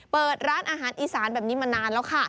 เปิดร้านอาหารอีสานแบบนี้มานานแล้วค่ะ